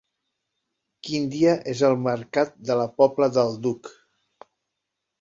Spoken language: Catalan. Quin dia és el mercat de la Pobla del Duc?